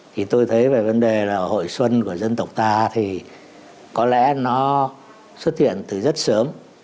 thì tôi thấy về vấn đề là hội xuân của dân tộc ta thì có lẽ nó xuất hiện từ rất sớm